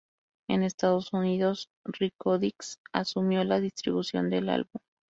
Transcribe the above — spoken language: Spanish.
En Estados Unidos, Rykodisc asumió la distribución del álbum.